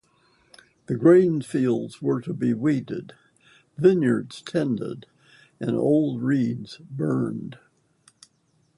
The grain fields were to be weeded, vineyards tended, and old reeds burned.